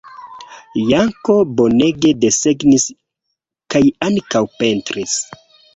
Janko bonege desegnis kaj ankaŭ pentris.